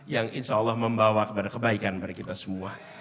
yang insyaallah membawa kepada kebaikan kepada kita semua